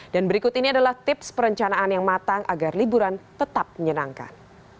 dan berikut ini adalah tips perencanaan yang matang agar liburan tetap menyenangkan